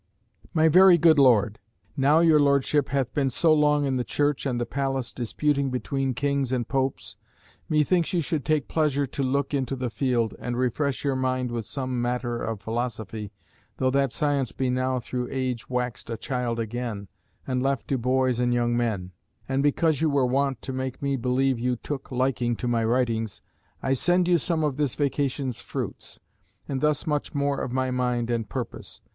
"MY VERY GOOD LORD, Now your Lordship hath been so long in the church and the palace disputing between kings and popes, methinks you should take pleasure to look into the field, and refresh your mind with some matter of philosophy, though that science be now through age waxed a child again, and left to boys and young men; and because you were wont to make me believe you took liking to my writings, I send you some of this vacation's fruits, and thus much more of my mind and purpose.